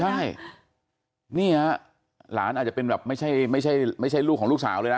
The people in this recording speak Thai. ใช่นี่ฮะหลานอาจจะเป็นแบบไม่ใช่ไม่ใช่ลูกของลูกสาวเลยนะ